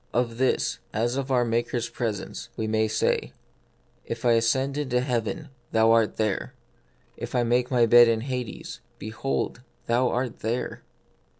Of this, as of our Maker's presence, we may say, " If I ascend into heaven, thou art there : if I make my be* 4 in Hades, behold, thou art there.